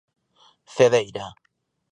Cedeira.